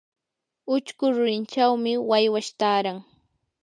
uchku rurinchawmi waywash taaran.